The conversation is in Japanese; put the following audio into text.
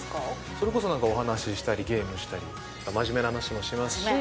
それこそなんかお話したり、ゲームしたり、真面目な話もしますし。